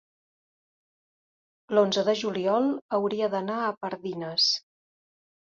l'onze de juliol hauria d'anar a Pardines.